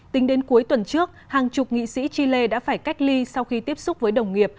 tính đến cuối tuần trước hàng chục nghị sĩ chile đã phải cách ly sau khi tiếp xúc với đồng nghiệp